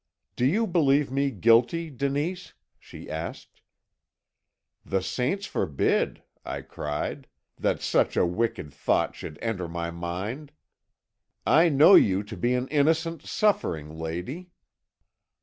"'Do you believe me guilty, Denise?' she asked. "'The saints forbid,' I cried, 'that such a wicked thought should enter my mind! I know you to be an innocent, suffering lady.'